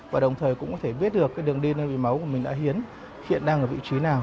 và đồng thời cũng có thể biết được cái đường đi nơi vì máu của mình đã hiến hiện đang ở vị trí nào